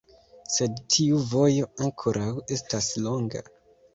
Sed tiu vojo ankoraŭ estas longa.